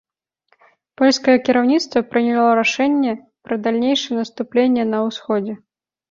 Польскае кіраўніцтва прыняло рашэнне пра далейшае наступленне на ўсходзе.